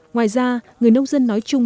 ngoài ra người nông dân nói chung